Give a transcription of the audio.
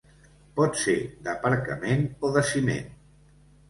Pot ser d'aparcament o de ciment.